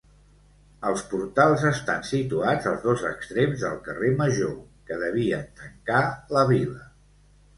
Els Portals estan situats als dos extrems del carrer Major, que devien tancar la vila.